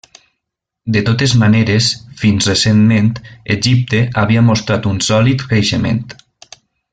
De totes maneres, fins recentment, Egipte havia mostrat un sòlid creixement.